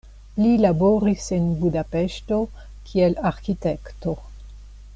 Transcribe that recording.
Li laboris en Budapeŝto kiel arkitekto.